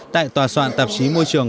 tại tòa soạn tạp chí môi trường